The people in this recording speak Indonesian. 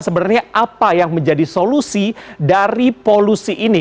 sebenarnya apa yang menjadi solusi dari polusi ini